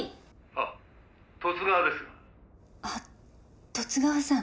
あっ十津川さん。